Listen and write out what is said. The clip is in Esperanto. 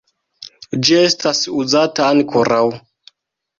Ĝi estas uzata ankoraŭ.